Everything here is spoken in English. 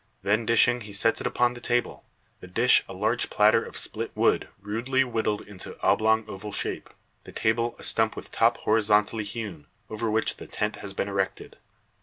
Then dishing, he sets it upon the table; the dish a large platter of split wood rudely whittled into oblong oval shape, the table a stump with top horizontally hewn, over which the tent has been erected.